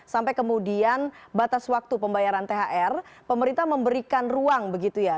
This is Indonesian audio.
sampai kemudian batas waktu pembayaran thr pemerintah memberikan ruang begitu ya